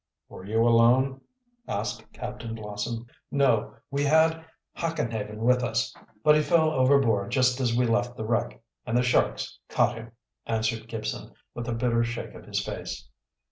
"Were you alone?" asked Captain Blossom. "No, we had Hackenhaven with us. But he fell overboard just after we left the wreck, and the sharks caught him," answered Gibson, with a bitter shake of his face.